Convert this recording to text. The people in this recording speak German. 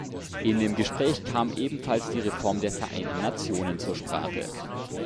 In dem Gespräch kam ebenfalls die Reform der Vereinten Nationen zur Sprache.